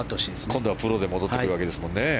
今度はプロで戻ってくるわけですもんね。